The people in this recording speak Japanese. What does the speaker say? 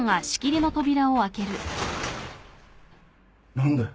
何だよ。